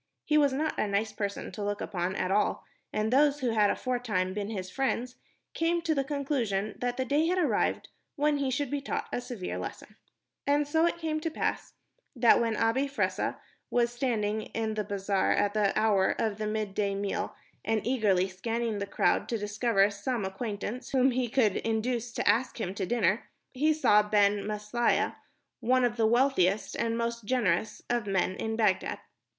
He was not a nice person to look upon at all, and those who had aforetime been his friends came to the conclusion that the day had arrived when he should be taught a severe lesson. [Illustration: He sprang from his stool, spluttering and cursing. (Page 110).] And so it came to pass that when Abi Fressah was standing in the bazaar at the hour of the mid day meal and eagerly scanning the crowd to discover some acquaintance whom he could induce to ask him to dinner, he saw Ben Maslia, one of the wealthiest and most generous of men in Bagdad.